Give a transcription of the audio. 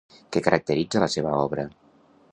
Què caracteritza la seva obra?